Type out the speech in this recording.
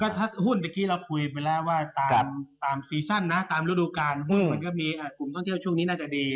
ถ้าหุ้นเมื่อกี้เราคุยไปแล้วว่าตามซีซั่นนะตามฤดูการหุ้นมันก็มีกลุ่มท่องเที่ยวช่วงนี้น่าจะดี